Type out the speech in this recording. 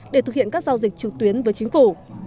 để thực hiện các giao dịch trực tuyến với chính phủ